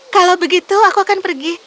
kalau begitu aku akan pergi